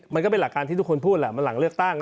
มันก็เป็นหลักการที่ทุกคนพูดแหละมันหลังเลือกตั้ง